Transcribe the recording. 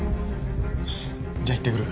よしじゃあ行ってくる。